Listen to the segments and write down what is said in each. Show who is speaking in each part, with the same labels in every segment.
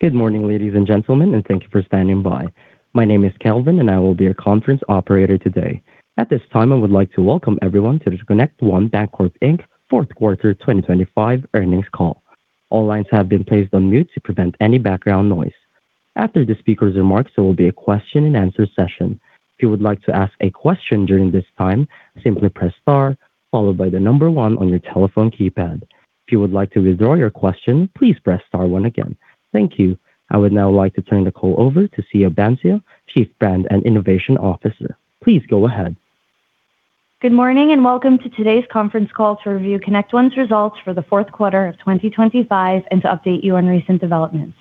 Speaker 1: Good morning, ladies and gentlemen, and thank you for standing by. My name is Kelvin, and I will be your conference operator today. At this time, I would like to welcome everyone to the ConnectOne Bancorp, Inc. Fourth Quarter 2025 earnings call. All lines have been placed on mute to prevent any background noise. After the speaker's remarks, there will be a question-and-answer session. If you would like to ask a question during this time, simply press star, followed by the number one on your telephone keypad. If you would like to withdraw your question, please press star one again. Thank you. I would now like to turn the call over to Siya Vansia, Chief Brand and Innovation Officer. Please go ahead.
Speaker 2: Good morning and welcome to today's conference call to review ConnectOne's results for the fourth quarter of 2025 and to update you on recent developments.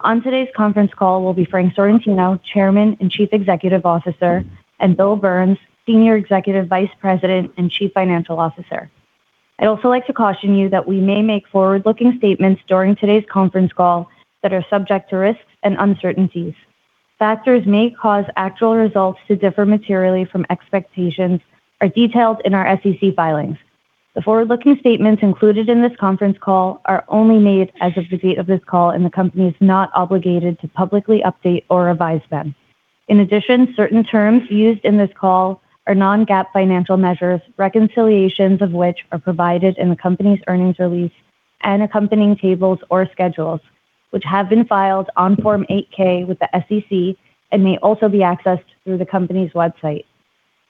Speaker 2: On today's conference call will be Frank Sorrentino, Chairman and Chief Executive Officer, and Bill Burns, Senior Executive Vice President and Chief Financial Officer. I'd also like to caution you that we may make forward-looking statements during today's conference call that are subject to risks and uncertainties. Factors may cause actual results to differ materially from expectations are detailed in our SEC filings. The forward-looking statements included in this conference call are only made as of the date of this call, and the company is not obligated to publicly update or revise them. In addition, certain terms used in this call are Non-GAAP financial measures, reconciliations of which are provided in the company's earnings release and accompanying tables or schedules, which have been filed on Form 8-K with the SEC and may also be accessed through the company's website.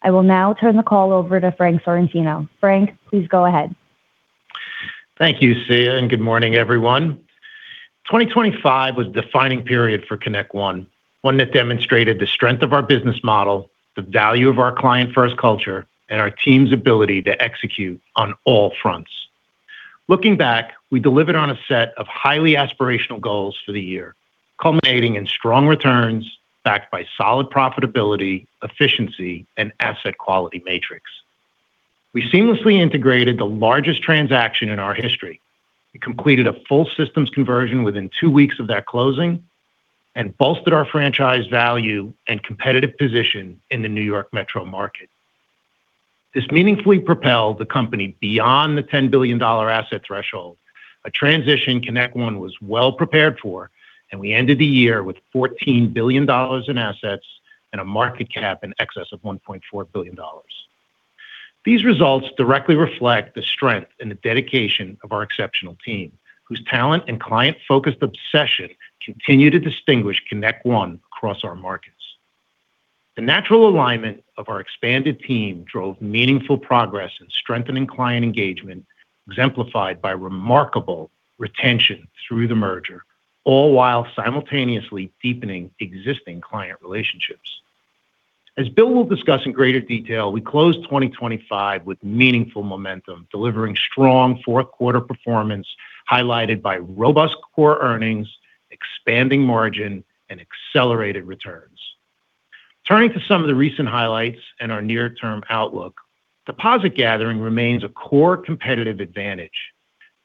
Speaker 2: I will now turn the call over to Frank Sorrentino. Frank, please go ahead.
Speaker 3: Thank you, Siya, and good morning, everyone. 2025 was the defining period for ConnectOne, one that demonstrated the strength of our business model, the value of our client-first culture, and our team's ability to execute on all fronts. Looking back, we delivered on a set of highly aspirational goals for the year, culminating in strong returns backed by solid profitability, efficiency, and asset quality metrics. We seamlessly integrated the largest transaction in our history, completed a full systems conversion within two weeks of that closing, and bolstered our franchise value and competitive position in the New York Metro market. This meaningfully propelled the company beyond the $10 billion asset threshold, a transition ConnectOne was well prepared for, and we ended the year with $14 billion in assets and a market cap in excess of $1.4 billion. These results directly reflect the strength and the dedication of our exceptional team, whose talent and client-focused obsession continue to distinguish ConnectOne across our markets. The natural alignment of our expanded team drove meaningful progress in strengthening client engagement, exemplified by remarkable retention through the merger, all while simultaneously deepening existing client relationships. As Bill will discuss in greater detail, we closed 2025 with meaningful momentum, delivering strong fourth-quarter performance highlighted by robust core earnings, expanding margin, and accelerated returns. Turning to some of the recent highlights and our near-term outlook, deposit gathering remains a core competitive advantage.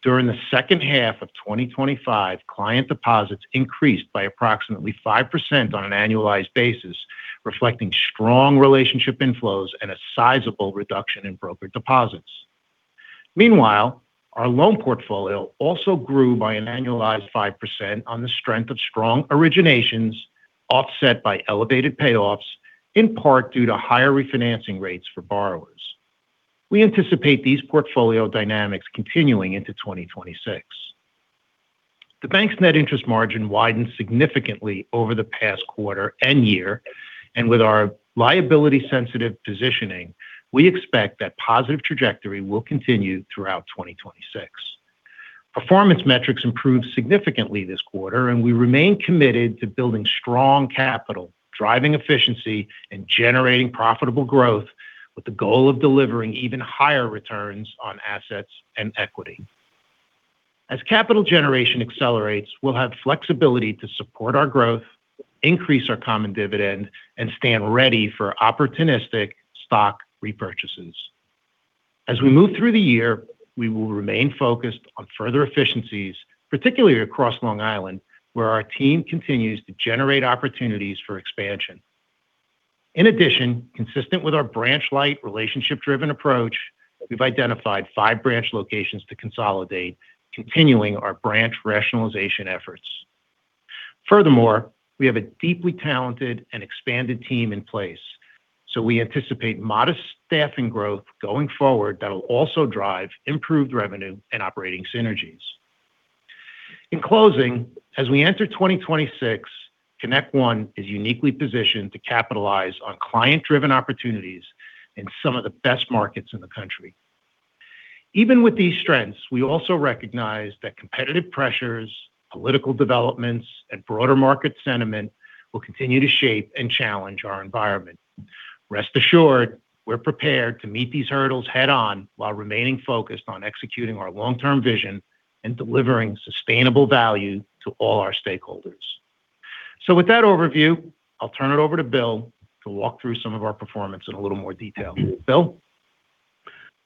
Speaker 3: During the second half of 2025, client deposits increased by approximately 5% on an annualized basis, reflecting strong relationship inflows and a sizable reduction in broker deposits. Meanwhile, our loan portfolio also grew by an annualized 5% on the strength of strong originations, offset by elevated payoffs, in part due to higher refinancing rates for borrowers. We anticipate these portfolio dynamics continuing into 2026. The bank's net interest margin widened significantly over the past quarter and year, and with our liability-sensitive positioning, we expect that positive trajectory will continue throughout 2026. Performance metrics improved significantly this quarter, and we remain committed to building strong capital, driving efficiency, and generating profitable growth, with the goal of delivering even higher returns on assets and equity. As capital generation accelerates, we'll have flexibility to support our growth, increase our common dividend, and stand ready for opportunistic stock repurchases. As we move through the year, we will remain focused on further efficiencies, particularly across Long Island, where our team continues to generate opportunities for expansion. In addition, consistent with our branch-light relationship-driven approach, we've identified five branch locations to consolidate, continuing our branch rationalization efforts. Furthermore, we have a deeply talented and expanded team in place, so we anticipate modest staffing growth going forward that will also drive improved revenue and operating synergies. In closing, as we enter 2026, ConnectOne is uniquely positioned to capitalize on client-driven opportunities in some of the best markets in the country. Even with these strengths, we also recognize that competitive pressures, political developments, and broader market sentiment will continue to shape and challenge our environment. Rest assured, we're prepared to meet these hurdles head-on while remaining focused on executing our long-term vision and delivering sustainable value to all our stakeholders. So with that overview, I'll turn it over to Bill to walk through some of our performance in a little more detail. Bill?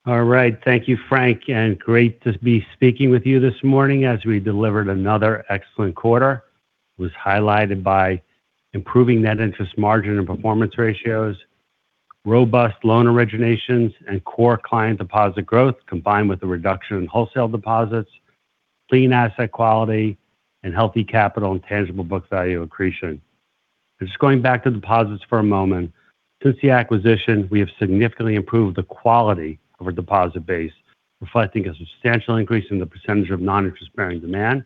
Speaker 4: All right. Thank you, Frank, and great to be speaking with you this morning as we delivered another excellent quarter. It was highlighted by improving net interest margin and performance ratios, robust loan originations, and core client deposit growth, combined with the reduction in wholesale deposits, clean asset quality, and healthy capital and tangible book value accretion. Just going back to deposits for a moment, since the acquisition, we have significantly improved the quality of our deposit base, reflecting a substantial increase in the percentage of non-interest-bearing demand,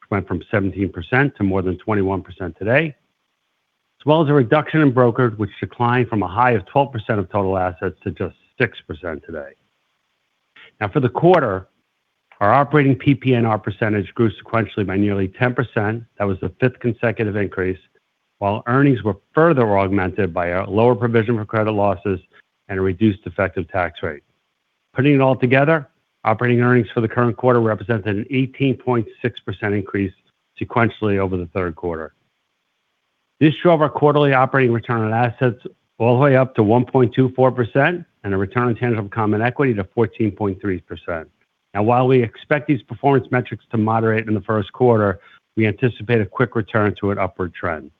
Speaker 4: which went from 17% to more than 21% today, as well as a reduction in brokerage, which declined from a high of 12% of total assets to just 6% today. Now, for the quarter, our operating PPNR percentage grew sequentially by nearly 10%. That was the fifth consecutive increase, while earnings were further augmented by a lower provision for credit losses and a reduced effective tax rate. Putting it all together, operating earnings for the current quarter represented an 18.6% increase sequentially over the third quarter. This drove our quarterly operating return on assets all the way up to 1.24% and a return on tangible common equity to 14.3%. Now, while we expect these performance metrics to moderate in the first quarter, we anticipate a quick return to an upward trend.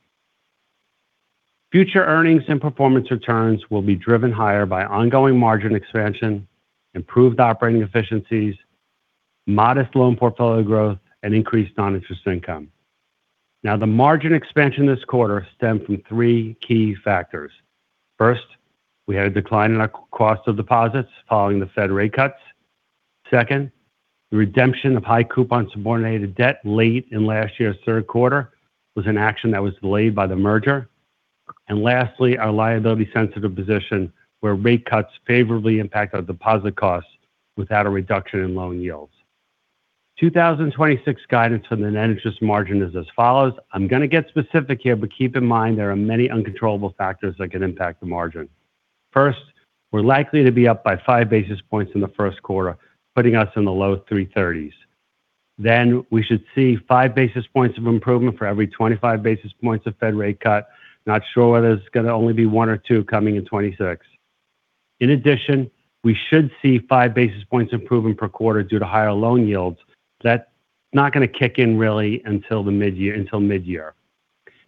Speaker 4: Future earnings and performance returns will be driven higher by ongoing margin expansion, improved operating efficiencies, modest loan portfolio growth, and increased non-interest income. Now, the margin expansion this quarter stemmed from three key factors. First, we had a decline in our cost of deposits following the Fed rate cuts. Second, the redemption of high coupon subordinated debt late in last year's third quarter was an action that was delayed by the merger. And lastly, our liability-sensitive position, where rate cuts favorably impact our deposit costs without a reduction in loan yields. 2026 guidance for the Net Interest Margin is as follows. I'm going to get specific here, but keep in mind there are many uncontrollable factors that can impact the margin. First, we're likely to be up by 5 basis points in the first quarter, putting us in the low 330s. Then we should see five basis points of improvement for every 25 basis points of Fed rate cut. Not sure whether it's going to only be one or two coming in 2026. In addition, we should see five basis points improvement per quarter due to higher loan yields. That's not going to kick in really until mid-year.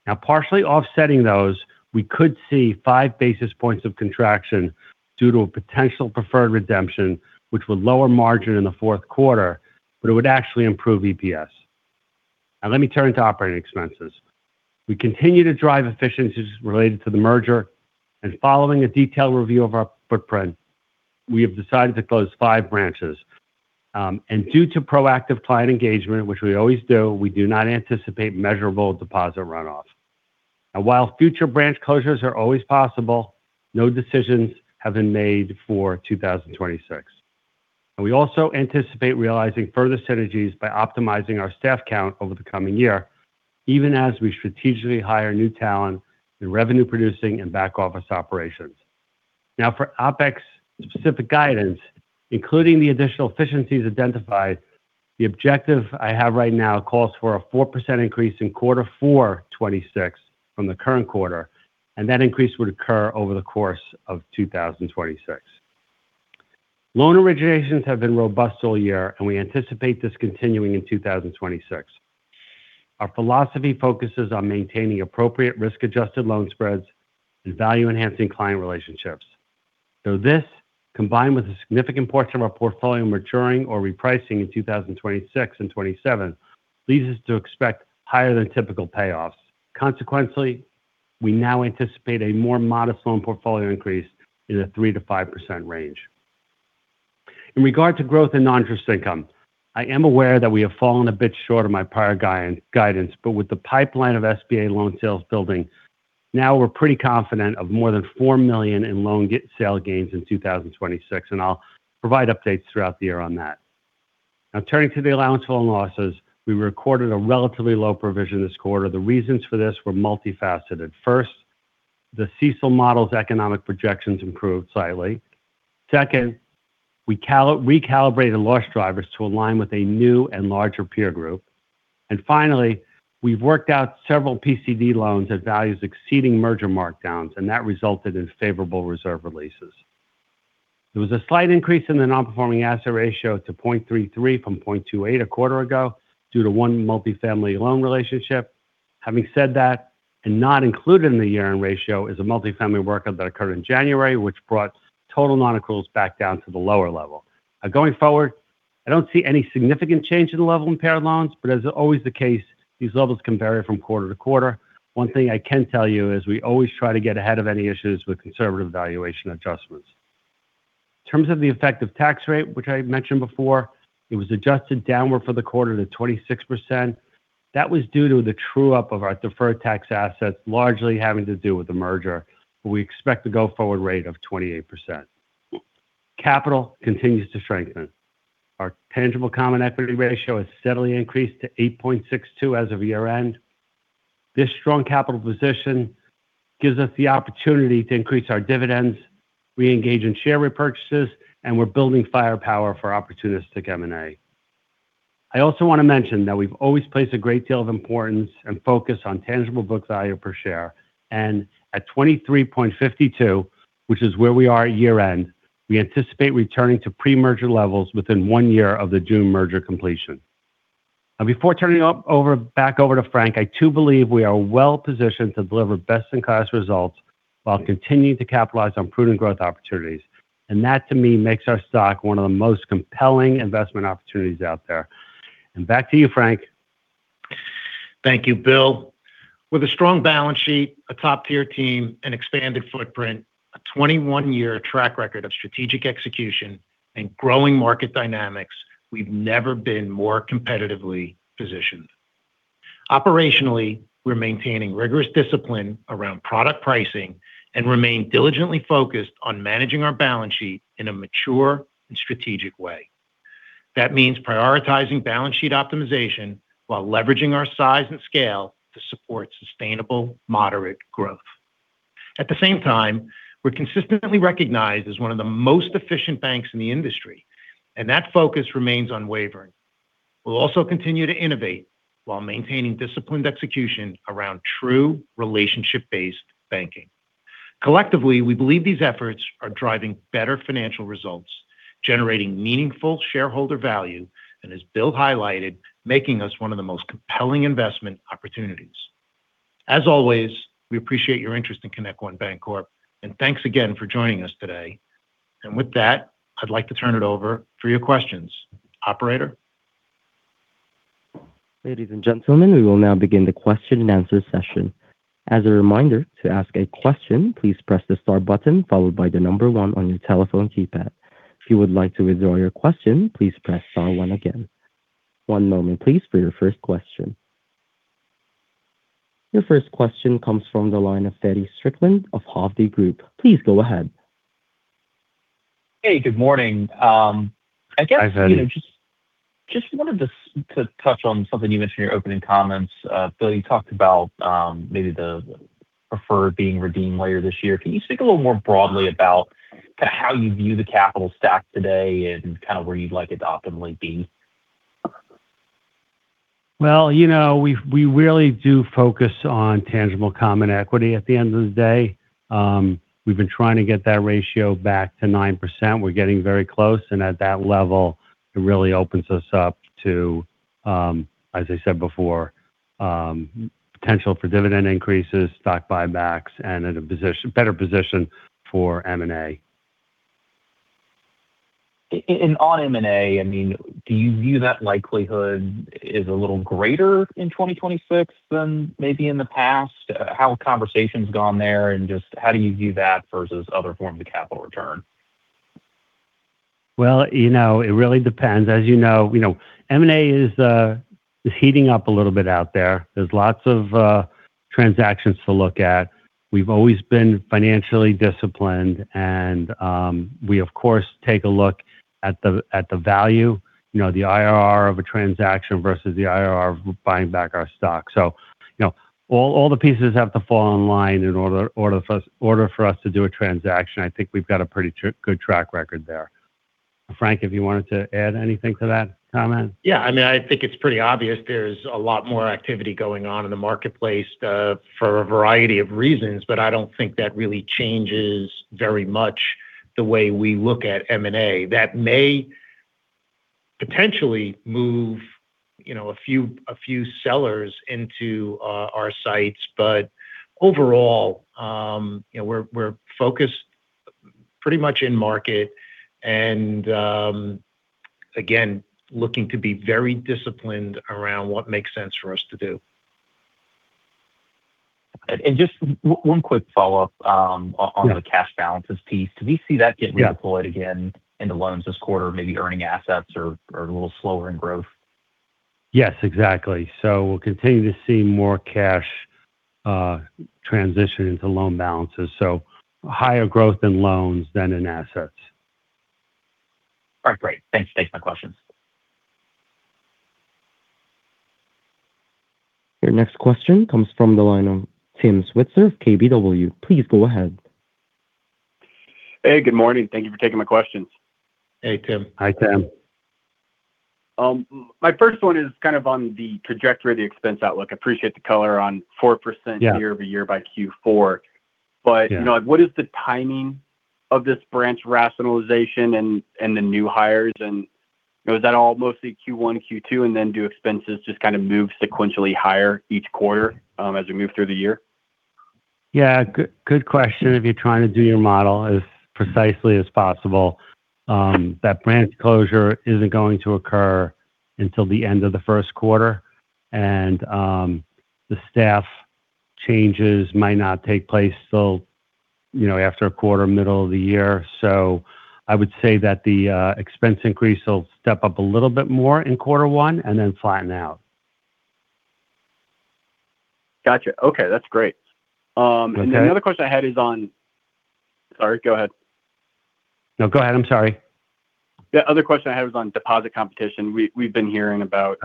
Speaker 4: Now, partially offsetting those, we could see five basis points of contraction due to a potential preferred redemption, which would lower margin in the fourth quarter, but it would actually improve EPS. Now, let me turn to operating expenses. We continue to drive efficiencies related to the merger, and following a detailed review of our footprint, we have decided to close five branches. Due to proactive client engagement, which we always do, we do not anticipate measurable deposit runoff. Now, while future branch closures are always possible, no decisions have been made for 2026. We also anticipate realizing further synergies by optimizing our staff count over the coming year, even as we strategically hire new talent in revenue-producing and back office operations. Now, for OpEx-specific guidance, including the additional efficiencies identified, the objective I have right now calls for a 4% increase in quarter four 2026 from the current quarter, and that increase would occur over the course of 2026. Loan originations have been robust all year, and we anticipate this continuing in 2026. Our philosophy focuses on maintaining appropriate risk-adjusted loan spreads and value-enhancing client relationships. Through this, combined with a significant portion of our portfolio maturing or repricing in 2026 and 2027, leads us to expect higher than typical payoffs. Consequently, we now anticipate a more modest loan portfolio increase in the 3%-5% range. In regard to growth in non-interest income, I am aware that we have fallen a bit short of my prior guidance, but with the pipeline of SBA loan sales building, now we're pretty confident of more than $4 million in loan sale gains in 2026, and I'll provide updates throughout the year on that. Now, turning to the allowance for loan losses, we recorded a relatively low provision this quarter. The reasons for this were multifaceted. First, the CECL model's economic projections improved slightly. Second, we recalibrated loss drivers to align with a new and larger peer group. And finally, we've worked out several PCD loans at values exceeding merger markdowns, and that resulted in favorable reserve releases. There was a slight increase in the non-performing asset ratio to 0.33 from 0.28 a quarter ago due to one multifamily loan relationship. Having said that, and not included in the year-end ratio is a multifamily workout that occurred in January, which brought total non-accruals back down to the lower level. Now, going forward, I don't see any significant change in the level of impared loans, but as always the case, these levels can vary from quarter to quarter. One thing I can tell you is we always try to get ahead of any issues with conservative valuation adjustments. In terms of the effective tax rate, which I mentioned before, it was adjusted downward for the quarter to 26%. That was due to the true-up of our deferred tax assets largely having to do with the merger, but we expect the go forward rate of 28%. Capital continues to strengthen. Our tangible common equity ratio has steadily increased to 8.62 as of year-end. This strong capital position gives us the opportunity to increase our dividends, re-engage in share repurchases, and we're building firepower for opportunistic M&A. I also want to mention that we've always placed a great deal of importance and focus on Tangible Book Value per share, and at 23.52, which is where we are at year-end, we anticipate returning to pre-merger levels within one year of the June merger completion. Now, before turning back over to Frank, I do believe we are well positioned to deliver best-in-class results while continuing to capitalize on prudent growth opportunities. And that, to me, makes our stock one of the most compelling investment opportunities out there. And back to you, Frank.
Speaker 3: Thank you, Bill. With a strong balance sheet, a top-tier team, and expanded footprint, a 21-year track record of strategic execution, and growing market dynamics, we've never been more competitively positioned. Operationally, we're maintaining rigorous discipline around product pricing and remain diligently focused on managing our balance sheet in a mature and strategic way. That means prioritizing balance sheet optimization while leveraging our size and scale to support sustainable moderate growth. At the same time, we're consistently recognized as one of the most efficient banks in the industry, and that focus remains unwavering. We'll also continue to innovate while maintaining disciplined execution around true relationship-based banking. Collectively, we believe these efforts are driving better financial results, generating meaningful shareholder value, and, as Bill highlighted, making us one of the most compelling investment opportunities. As always, we appreciate your interest in ConnectOne Bancorp, and thanks again for joining us today. With that, I'd like to turn it over for your questions, operator.
Speaker 1: Ladies and gentlemen, we will now begin the question and answer session. As a reminder, to ask a question, please press the star button followed by the number one on your telephone keypad. If you would like to withdraw your question, please press star one again. One moment, please, for your first question. Your first question comes from the line of Feddie Strickland of Hovde Group. Please go ahead.
Speaker 5: Hey, good morning. I guess.
Speaker 1: Hi, Fede.
Speaker 5: Just wanted to touch on something you mentioned in your opening comments. Bill, you talked about maybe the preferred being redeemed later this year. Can you speak a little more broadly about kind of how you view the capital stack today and kind of where you'd like it to optimally be?
Speaker 4: Well, you know we really do focus on tangible common equity at the end of the day. We've been trying to get that ratio back to 9%. We're getting very close, and at that level, it really opens us up to, as I said before, potential for dividend increases, stock buybacks, and a better position for M&A.
Speaker 5: On M&A, I mean, do you view that likelihood is a little greater in 2026 than maybe in the past? How have conversations gone there, and just how do you view that versus other forms of capital return?
Speaker 4: Well, you know it really depends. As you know, M&A is heating up a little bit out there. There's lots of transactions to look at. We've always been financially disciplined, and we, of course, take a look at the value, the IRR of a transaction versus the IRR of buying back our stock. So all the pieces have to fall in line in order for us to do a transaction. I think we've got a pretty good track record there. Frank, if you wanted to add anything to that comment?
Speaker 3: Yeah. I mean, I think it's pretty obvious there's a lot more activity going on in the marketplace for a variety of reasons, but I don't think that really changes very much the way we look at M&A. That may potentially move a few sellers into our sights, but overall, we're focused pretty much in market and, again, looking to be very disciplined around what makes sense for us to do.
Speaker 5: Just one quick follow-up on the cash balances piece. Do we see that getting deployed again into loans this quarter, maybe earning assets or a little slower in growth?
Speaker 4: Yes, exactly. So we'll continue to see more cash transition into loan balances. So higher growth in loans than in assets.
Speaker 5: All right. Great. Thanks. Thanks for my questions.
Speaker 1: Your next question comes from the line of Tim Switzer of KBW. Please go ahead.
Speaker 6: Hey, good morning. Thank you for taking my questions.
Speaker 3: Hey, Tim.
Speaker 4: Hi, Tim.
Speaker 6: My first one is kind of on the trajectory of the expense outlook. I appreciate the color on 4% year-over-year by Q4. But what is the timing of this branch rationalization and the new hires? And is that all mostly Q1, Q2, and then do expenses just kind of move sequentially higher each quarter as we move through the year?
Speaker 4: Yeah. Good question. If you're trying to do your model as precisely as possible, that branch closure isn't going to occur until the end of the first quarter, and the staff changes might not take place till after a quarter, middle of the year. So I would say that the expense increase will step up a little bit more in quarter one and then flatten out.
Speaker 6: Gotcha. Okay. That's great. And then the other question I had is on, sorry, go ahead.
Speaker 4: No, go ahead. I'm sorry.
Speaker 6: The other question I had was on deposit competition. We've been hearing about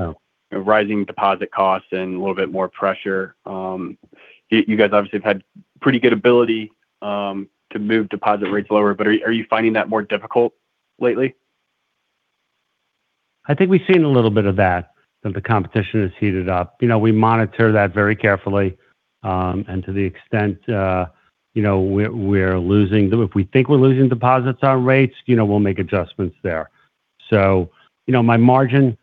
Speaker 6: rising deposit costs and a little bit more pressure. You guys obviously have had pretty good ability to move deposit rates lower, but are you finding that more difficult lately?
Speaker 4: I think we've seen a little bit of that, that the competition has heated up. We monitor that very carefully, and to the extent we're losing, if we think we're losing deposits on rates, we'll make adjustments there. So my margin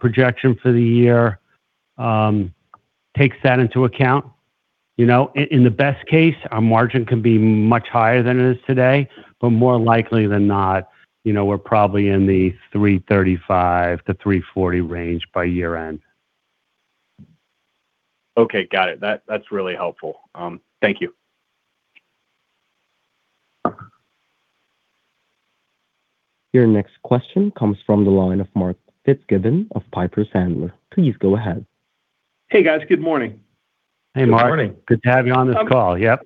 Speaker 4: projection for the year takes that into account. In the best case, our margin can be much higher than it is today, but more likely than not, we're probably in the 335-340 range by year-end.
Speaker 6: Okay. Got it. That's really helpful. Thank you.
Speaker 1: Your next question comes from the line of Mark Fitzgibbon of Piper Sandler. Please go ahead.
Speaker 7: Hey, guys. Good morning.
Speaker 4: Hey, Mark.
Speaker 3: Good morning.
Speaker 4: Good to have you on this call. Yep.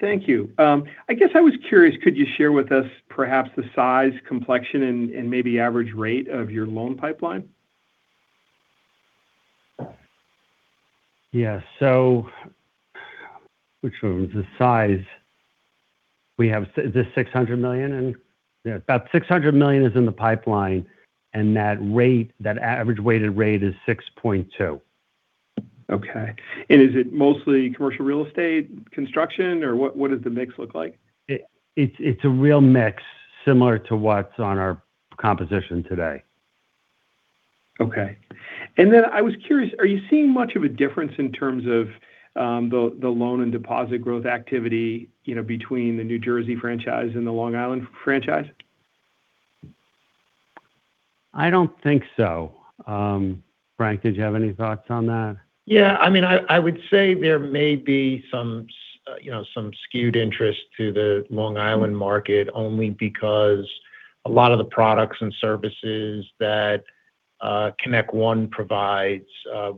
Speaker 7: Thank you. I guess I was curious, could you share with us perhaps the size, complexion, and maybe average rate of your loan pipeline?
Speaker 4: Yeah. So which one was the size? We have the $600 million, and about $600 million is in the pipeline, and that average weighted rate is 6.2%.
Speaker 7: Okay. Is it mostly commercial real estate, construction, or what does the mix look like?
Speaker 4: It's a real mix similar to what's on our composition today.
Speaker 7: Okay. And then I was curious, are you seeing much of a difference in terms of the loan and deposit growth activity between the New Jersey franchise and the Long Island franchise?
Speaker 4: I don't think so. Frank, did you have any thoughts on that?
Speaker 3: Yeah. I mean, I would say there may be some skewed interest to the Long Island market only because a lot of the products and services that ConnectOne provides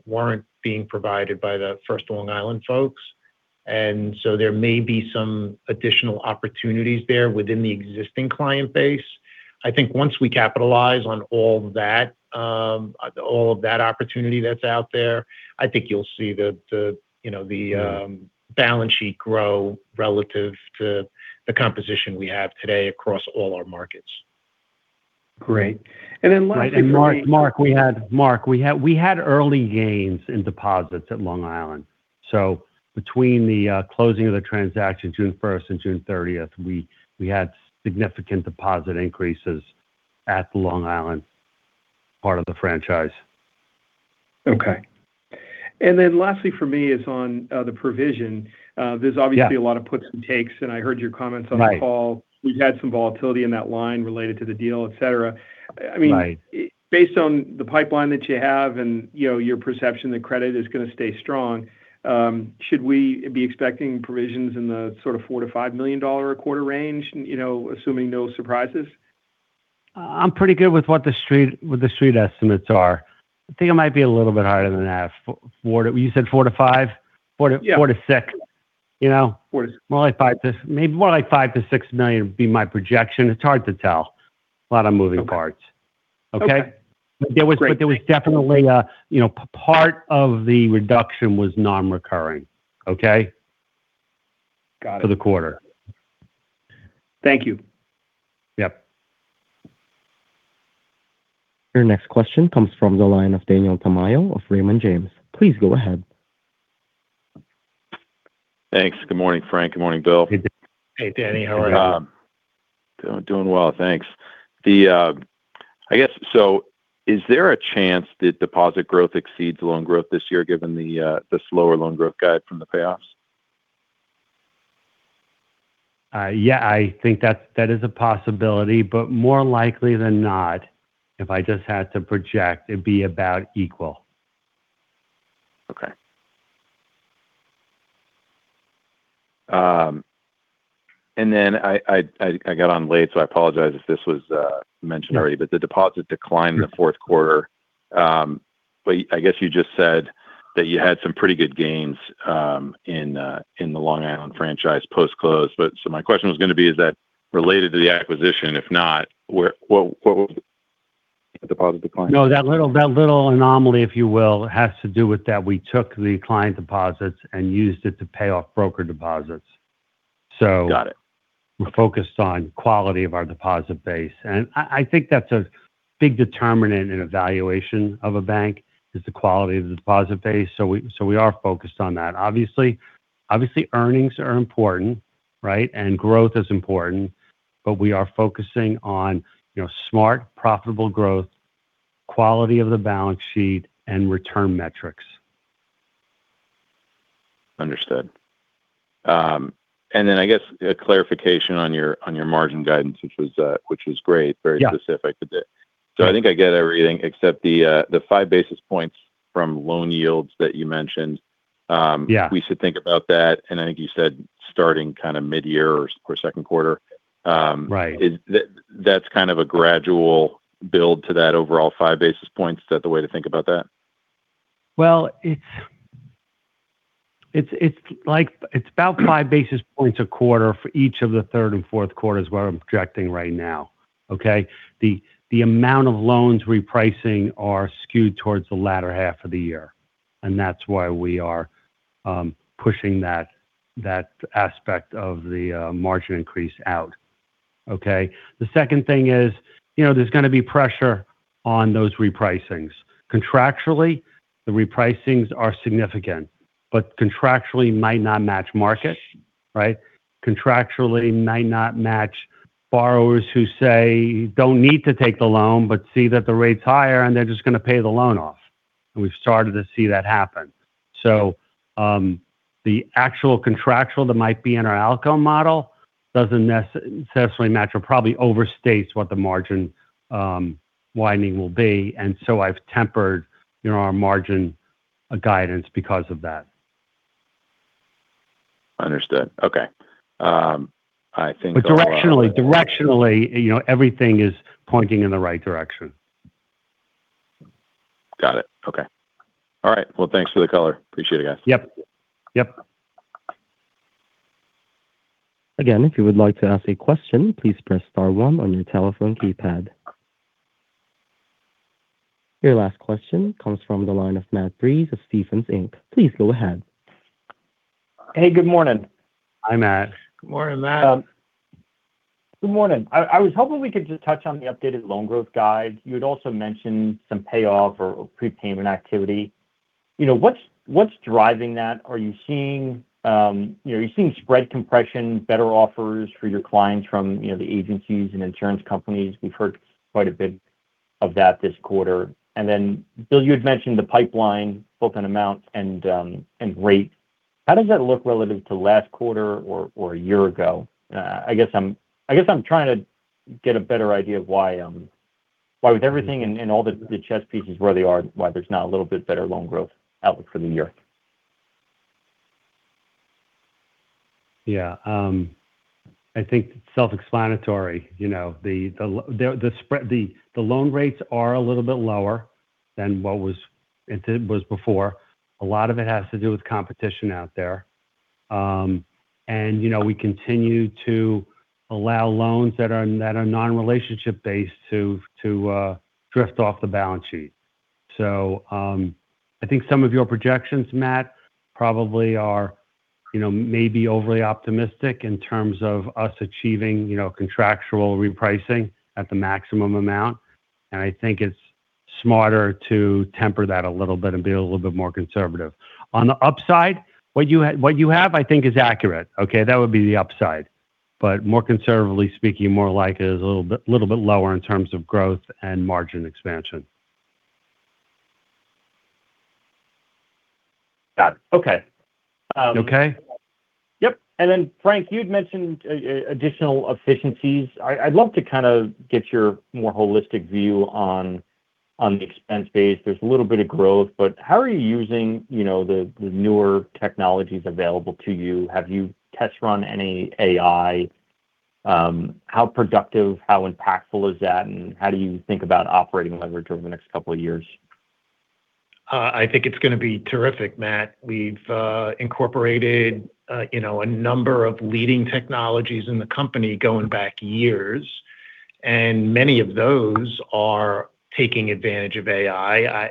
Speaker 3: weren't being provided by the First of Long Island folks. And so there may be some additional opportunities there within the existing client base. I think once we capitalize on all of that, all of that opportunity that's out there, I think you'll see the balance sheet grow relative to the composition we have today across all our markets. Great. And then lastly.
Speaker 4: Mark, we had early gains in deposits at Long Island. So between the closing of the transaction, June 1st and June 30th, we had significant deposit increases at the Long Island part of the franchise.
Speaker 7: Okay. And then lastly for me is on the provision. There's obviously a lot of puts and takes, and I heard your comments on the call. We've had some volatility in that line related to the deal, etc. I mean, based on the pipeline that you have and your perception that credit is going to stay strong, should we be expecting provisions in the sort of $4 million-$5 million a quarter range, assuming no surprises?
Speaker 4: I'm pretty good with what the street estimates are. I think it might be a little bit higher than that. You said four to five? Four to six.
Speaker 7: Yeah.
Speaker 4: More like 5-6. Maybe more like $5-$6 million would be my projection. It's hard to tell. A lot of moving parts. Okay? But there was definitely a part of the reduction was non-recurring. Okay?
Speaker 7: Got it.
Speaker 4: For the quarter.
Speaker 7: Thank you.
Speaker 4: Yep.
Speaker 1: Your next question comes from the line of Daniel Tamayo of Raymond James. Please go ahead.
Speaker 8: Thanks. Good morning, Frank. Good morning, Bill.
Speaker 3: Hey, Danny. How are you?
Speaker 8: Doing well. Thanks. I guess, so is there a chance that deposit growth exceeds loan growth this year given the slower loan growth guide from the payoffs?
Speaker 4: Yeah. I think that is a possibility, but more likely than not, if I just had to project, it'd be about equal.
Speaker 8: Okay. And then I got on late, so I apologize if this was mentioned already, but the deposit declined in the fourth quarter. But I guess you just said that you had some pretty good gains in the Long Island franchise post-close. But so my question was going to be, is that related to the acquisition? If not, what was the deposit decline?
Speaker 4: No, that little anomaly, if you will, has to do with that we took the client deposits and used it to pay off broker deposits. So we're focused on quality of our deposit base. And I think that's a big determinant in evaluation of a bank is the quality of the deposit base. So we are focused on that. Obviously, earnings are important, right? And growth is important, but we are focusing on smart, profitable growth, quality of the balance sheet, and return metrics.
Speaker 8: Understood. And then I guess a clarification on your margin guidance, which was great, very specific. So I think I get everything except the 5 basis points from loan yields that you mentioned. We should think about that. And I think you said starting kind of mid-year or second quarter. That's kind of a gradual build to that overall 5 basis points. Is that the way to think about that?
Speaker 4: Well, it's about five basis points a quarter for each of the third and fourth quarters where I'm projecting right now. Okay? The amount of loans repricing are skewed towards the latter half of the year, and that's why we are pushing that aspect of the margin increase out. Okay? The second thing is there's going to be pressure on those repricings. Contractually, the repricings are significant, but contractually might not match market, right? Contractually might not match borrowers who say, "Don't need to take the loan," but see that the rate's higher, and they're just going to pay the loan off. And we've started to see that happen. So the actual contractual that might be in our outcome model doesn't necessarily match. It probably overstates what the margin widening will be. And so I've tempered our margin guidance because of that.
Speaker 8: Understood. Okay. I think.
Speaker 4: Directionally, everything is pointing in the right direction.
Speaker 8: Got it. Okay. All right. Well, thanks for the color. Appreciate it, guys.
Speaker 4: Yep. Yep.
Speaker 1: Again, if you would like to ask a question, please press star one on your telephone keypad. Your last question comes from the line of Matt Breese of Stephens Inc. Please go ahead.
Speaker 9: Hey, good morning.
Speaker 4: Hi, Matt.
Speaker 3: Good morning, Matt.
Speaker 9: Good morning. I was hoping we could just touch on the updated loan growth guide. You had also mentioned some payoff or prepayment activity. What's driving that? Are you seeing spread compression, better offers for your clients from the agencies and insurance companies? We've heard quite a bit of that this quarter. And then, Bill, you had mentioned the pipeline, both in amount and rate. How does that look relative to last quarter or a year ago? I guess I'm trying to get a better idea of why with everything and all the chess pieces where they are, why there's not a little bit better loan growth outlook for the year.
Speaker 4: Yeah. I think it's self-explanatory. The loan rates are a little bit lower than what it was before. A lot of it has to do with competition out there. And we continue to allow loans that are non-relationship-based to drift off the balance sheet. So I think some of your projections, Matt, probably are maybe overly optimistic in terms of us achieving contractual repricing at the maximum amount. And I think it's smarter to temper that a little bit and be a little bit more conservative. On the upside, what you have, I think, is accurate. Okay? That would be the upside. But more conservatively speaking, more like it is a little bit lower in terms of growth and margin expansion.
Speaker 9: Got it. Okay.
Speaker 4: Okay?
Speaker 9: Yep. And then, Frank, you had mentioned additional efficiencies. I'd love to kind of get your more holistic view on the expense base. There's a little bit of growth, but how are you using the newer technologies available to you? Have you test run any AI? How productive, how impactful is that, and how do you think about operating leverage over the next couple of years?
Speaker 3: I think it's going to be terrific, Matt. We've incorporated a number of leading technologies in the company going back years, and many of those are taking advantage of AI.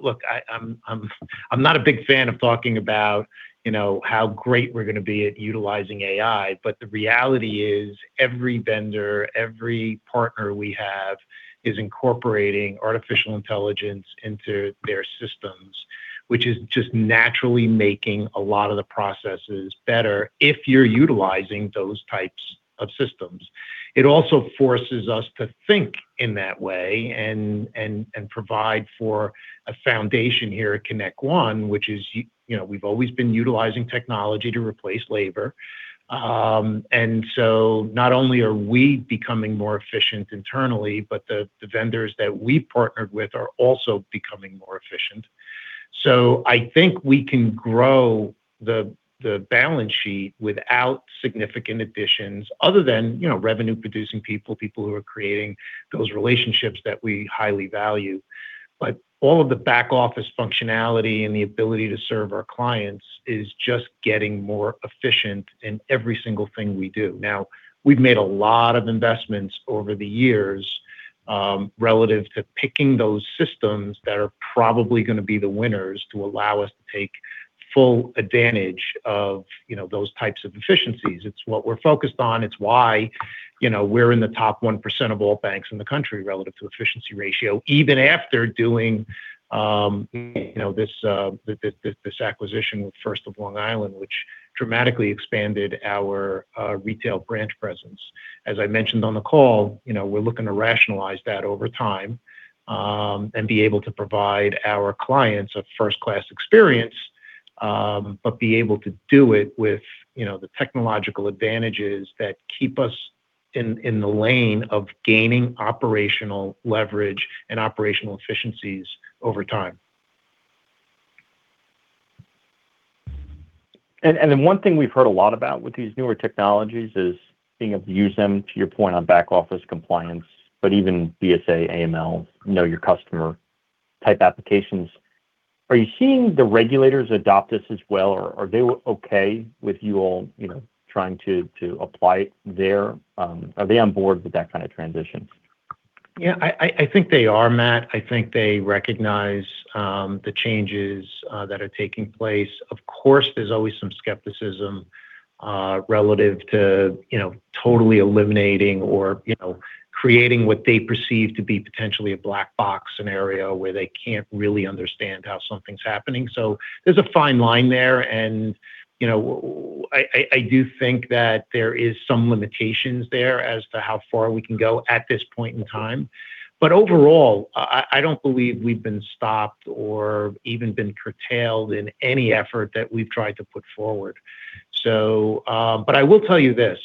Speaker 3: Look, I'm not a big fan of talking about how great we're going to be at utilizing AI, but the reality is every vendor, every partner we have is incorporating artificial intelligence into their systems, which is just naturally making a lot of the processes better if you're utilizing those types of systems. It also forces us to think in that way and provide for a foundation here at ConnectOne, which is we've always been utilizing technology to replace labor. And so not only are we becoming more efficient internally, but the vendors that we partnered with are also becoming more efficient. So I think we can grow the balance sheet without significant additions other than revenue-producing people, people who are creating those relationships that we highly value. But all of the back office functionality and the ability to serve our clients is just getting more efficient in every single thing we do. Now, we've made a lot of investments over the years relative to picking those systems that are probably going to be the winners to allow us to take full advantage of those types of efficiencies. It's what we're focused on. It's why we're in the top 1% of all banks in the country relative to efficiency ratio, even after doing this acquisition with First of Long Island, which dramatically expanded our retail branch presence. As I mentioned on the call, we're looking to rationalize that over time and be able to provide our clients a first-class experience, but be able to do it with the technological advantages that keep us in the lane of gaining operational leverage and operational efficiencies over time.
Speaker 9: And then one thing we've heard a lot about with these newer technologies is being able to use them, to your point on back office compliance, but even BSA, AML, know your customer type applications. Are you seeing the regulators adopt this as well? Are they okay with you all trying to apply it there? Are they on board with that kind of transition?
Speaker 3: Yeah. I think they are, Matt. I think they recognize the changes that are taking place. Of course, there's always some skepticism relative to totally eliminating or creating what they perceive to be potentially a black box scenario where they can't really understand how something's happening. So there's a fine line there. And I do think that there are some limitations there as to how far we can go at this point in time. But overall, I don't believe we've been stopped or even been curtailed in any effort that we've tried to put forward. But I will tell you this.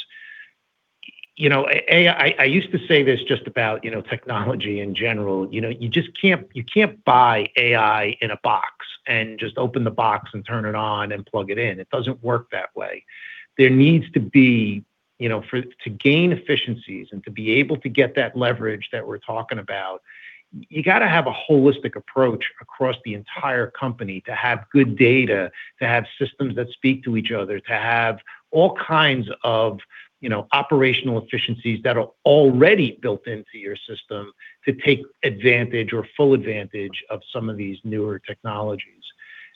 Speaker 3: I used to say this just about technology in general. You can't buy AI in a box and just open the box and turn it on and plug it in. It doesn't work that way. There needs to be, to gain efficiencies and to be able to get that leverage that we're talking about, you got to have a holistic approach across the entire company to have good data, to have systems that speak to each other, to have all kinds of operational efficiencies that are already built into your system to take advantage or full advantage of some of these newer technologies.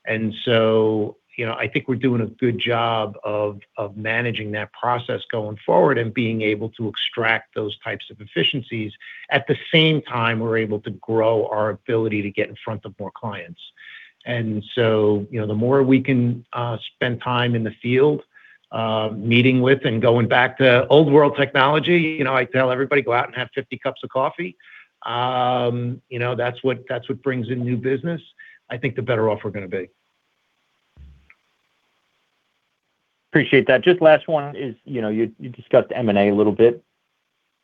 Speaker 3: And so I think we're doing a good job of managing that process going forward and being able to extract those types of efficiencies at the same time we're able to grow our ability to get in front of more clients. And so the more we can spend time in the field meeting with and going back to old-world technology, I tell everybody, "Go out and have 50 cups of coffee." That's what brings in new business. I think the better off we're going to be.
Speaker 9: Appreciate that. Just last one is you discussed M&A a little bit.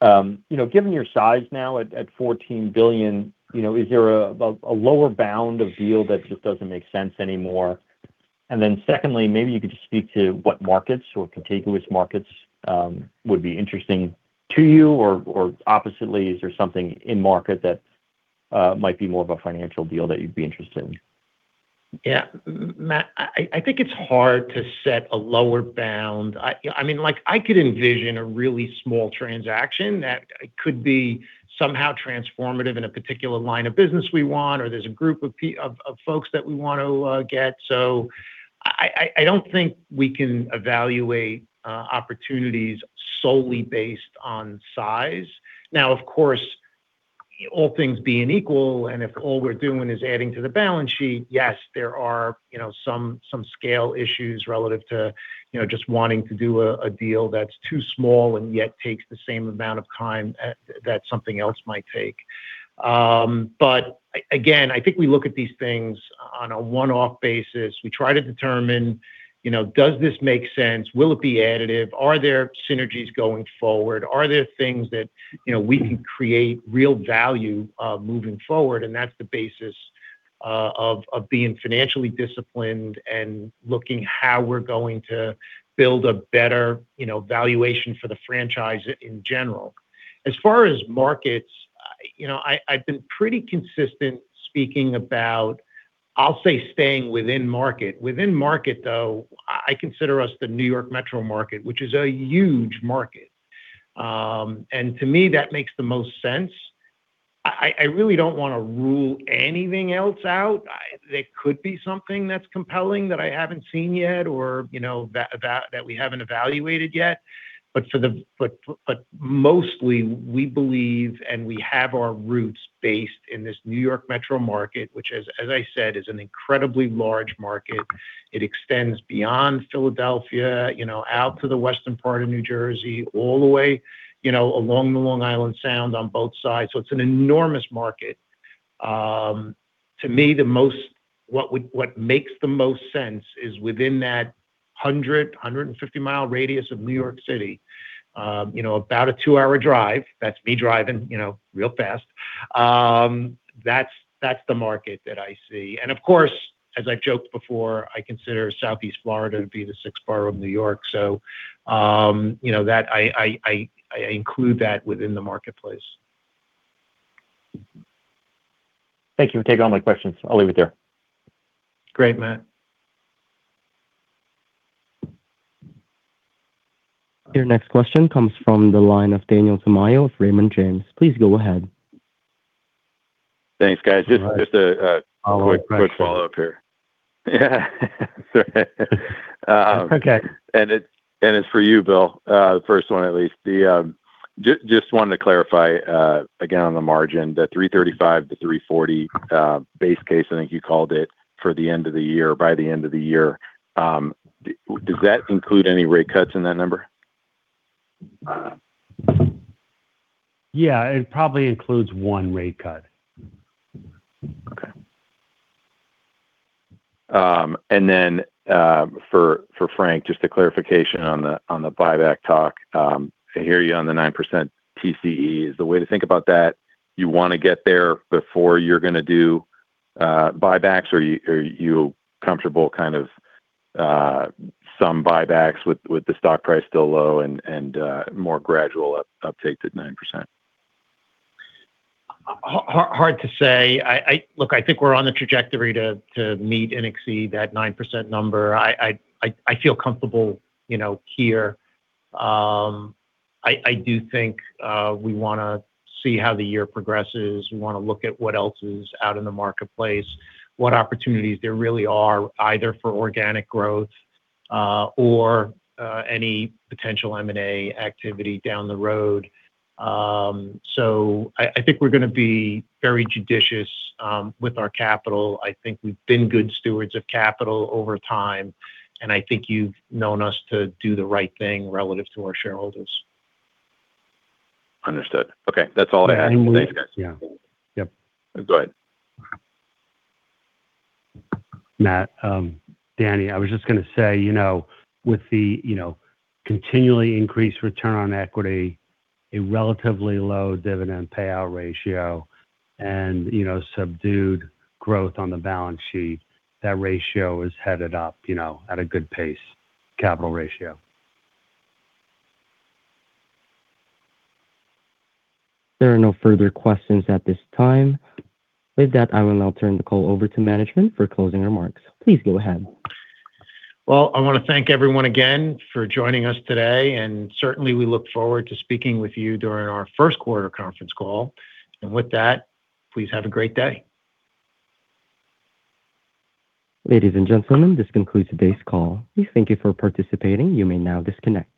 Speaker 9: Given your size now at $14 billion, is there a lower bound of deal that just doesn't make sense anymore? And then secondly, maybe you could just speak to what markets or contiguous markets would be interesting to you? Or oppositely, is there something in market that might be more of a financial deal that you'd be interested in?
Speaker 3: Yeah. Matt, I think it's hard to set a lower bound. I mean, I could envision a really small transaction that could be somehow transformative in a particular line of business we want, or there's a group of folks that we want to get. So I don't think we can evaluate opportunities solely based on size. Now, of course, all things being equal, and if all we're doing is adding to the balance sheet, yes, there are some scale issues relative to just wanting to do a deal that's too small and yet takes the same amount of time that something else might take. But again, I think we look at these things on a one-off basis. We try to determine, "Does this make sense? Will it be additive? Are there synergies going forward? Are there things that we can create real value moving forward?" That's the basis of being financially disciplined and looking at how we're going to build a better valuation for the franchise in general. As far as markets, I've been pretty consistent speaking about, I'll say, staying within market. Within market, though, I consider us the New York Metro market, which is a huge market. And to me, that makes the most sense. I really don't want to rule anything else out. There could be something that's compelling that I haven't seen yet or that we haven't evaluated yet. But mostly, we believe and we have our roots based in this New York Metro market, which, as I said, is an incredibly large market. It extends beyond Philadelphia out to the western part of New Jersey, all the way along the Long Island Sound on both sides. So it's an enormous market. To me, what makes the most sense is within that 100-150-mile radius of New York City, about a 2-hour drive. That's me driving real fast. That's the market that I see. And of course, as I've joked before, I consider Southeast Florida to be the sixth part of New York. So I include that within the marketplace.
Speaker 9: Thank you for taking all my questions. I'll leave it there.
Speaker 3: Great, Matt.
Speaker 1: Your next question comes from the line of Daniel Tamayo of Raymond James. Please go ahead.
Speaker 8: Thanks, guys. Just a quick follow-up here. It's for you, Bill, the first one at least. Just wanted to clarify again on the margin, the 335-340 base case, I think you called it, for the end of the year, by the end of the year. Does that include any rate cuts in that number?
Speaker 4: Yeah. It probably includes one rate cut.
Speaker 8: Okay. And then for Frank, just a clarification on the buyback talk. I hear you on the 9% TCE. Is the way to think about that? You want to get there before you're going to do buybacks, or are you comfortable kind of some buybacks with the stock price still low and more gradual uptakes at 9%?
Speaker 3: Hard to say. Look, I think we're on the trajectory to meet and exceed that 9% number. I feel comfortable here. I do think we want to see how the year progresses. We want to look at what else is out in the marketplace, what opportunities there really are, either for organic growth or any potential M&A activity down the road. So I think we're going to be very judicious with our capital. I think we've been good stewards of capital over time, and I think you've known us to do the right thing relative to our shareholders.
Speaker 8: Understood. Okay. That's all I had. Thanks, guys.
Speaker 4: Yeah. Yep.
Speaker 8: Go ahead.
Speaker 4: Matt, Danny, I was just going to say, with the continually increased return on equity, a relatively low dividend payout ratio, and subdued growth on the balance sheet, that ratio is headed up at a good pace, capital ratio.
Speaker 1: There are no further questions at this time. With that, I will now turn the call over to management for closing remarks. Please go ahead.
Speaker 3: Well, I want to thank everyone again for joining us today. Certainly, we look forward to speaking with you during our first quarter conference call. With that, please have a great day.
Speaker 1: Ladies and gentlemen, this concludes today's call. Thank you for participating. You may now disconnect.